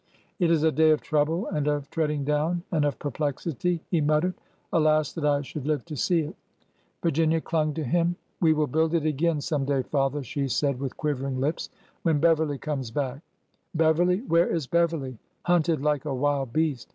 It is a day of trouble, and of treading down, and of perplexity," he muttered. Alas 1 that I should live to see it 1 " Virginia clung to him. '' We will build it again some day, father," she said, with quivering lips, —" when Beverly comes back —" Beverly 1 Where is Beverly ? Hunted like a wild beast